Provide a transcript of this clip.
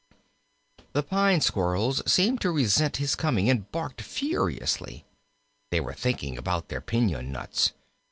"] The Pine Squirrels seemed to resent his coming, and barked furiously. They were thinking about their piñon nuts.